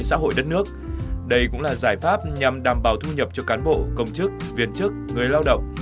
xã hội đất nước đây cũng là giải pháp nhằm đảm bảo thu nhập cho cán bộ công chức viên chức người lao động